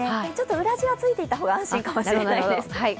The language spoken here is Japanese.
裏地はついていた方が安心かもしれないです。